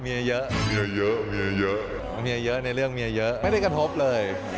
เมียเยอะในเรื่องเมียเยอะไม่ได้กระทบเลย